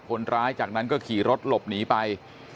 คนร้ายจากนั้นก็ขี่รถหลบหนีไป